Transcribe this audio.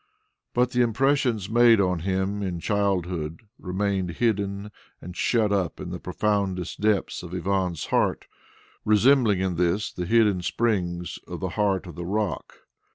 But the impressions made on him in childhood remained hidden and shut up in the profoundest depth of Ivan's heart, resembling in this the hidden springs in the heart of the rock.